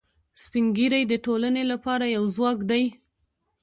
سپین ږیری د ټولنې لپاره یو ځواک دي